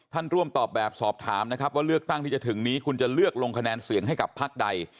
ท่านร่วมตอบแบบสอบถามนะครับว่าเลือกตั้งที่จะถึงนี้คุณจะเลือกลงคะแนนเสียงให้กับพักใด